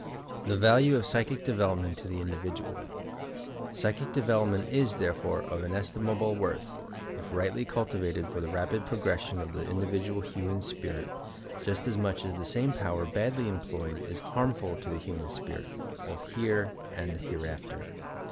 SNARES AND PITFALLS TO AVOID 319 THE VALUE OP PSYCHIC DEVELOPMENT TO THE INDIVIDUAL Psychic development is, therefore, of inestimable worth, if rightly cultivated, for the rapid progression of the individual human spirit, — just as much as the same power badly employed is harmful to the human spirit, both here and hereafter.